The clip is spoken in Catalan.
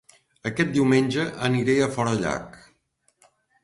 Aquest diumenge aniré a Forallac